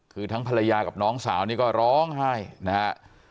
คือทั้งภรรยากับน้องสาวนี่ก็ร้องไห้นะฮะ